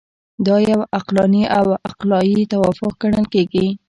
دا یو عقلاني او عقلایي توافق ګڼل کیږي.